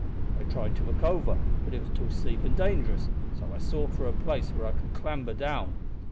"I tried to look over, but it was too steep an' dangerous, so I sought for a place where I could clamber down.